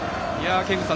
憲剛さん